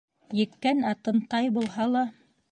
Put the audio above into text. Еккән атын тай булһа ла